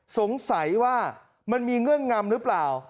สงสัยว่ามันมีเงื่อนงำหรือเปล่า